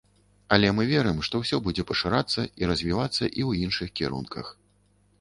Але мы верым, што ўсё будзе пашырацца і развівацца і ў іншых кірунках.